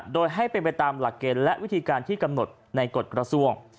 โดยให้เป็นไปตามหลักเกณฑ์และวิธีการที่กำหนดในกฎกระทรวง